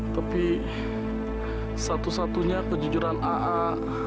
tapi satu satunya kejujuran a'a